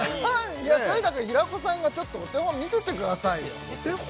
いやとにかく平子さんがちょっとお手本見せてくださいよお手本？